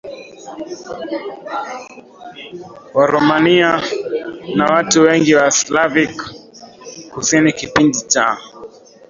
Waromania na watu wengi wa Slavic Kusini Kipindi cha